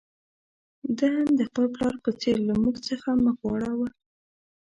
ده هم د خپل پلار په څېر له موږ څخه مخ واړاوه.